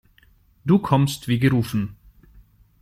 Du kommst wie gerufen.